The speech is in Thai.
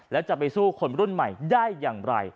แล้วจะไปสู้คนรุ่นใหม่ได้อย่างไร